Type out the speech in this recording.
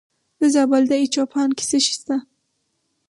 د زابل په دایچوپان کې څه شی شته؟